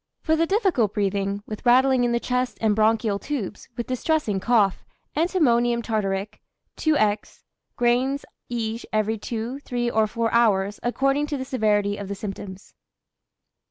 For the difficult breathing, with rattling in the chest and bronchial tubes, with distressing cough, antimonium tartaric., 2^{×}, grains iij every 2, 3 or 4 hours, according to the severity of the symptoms.